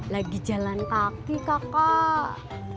lagi jalan kaki kakak